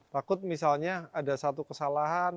takut misalnya ada satu kesalahan